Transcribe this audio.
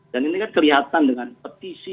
dan ini kan kelihatan dengan petisi